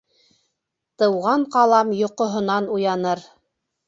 Тыуған ҡалам йоҡоһонан уяныр.